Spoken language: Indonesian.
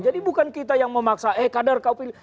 jadi bukan kita yang memaksa eh kader kau pilih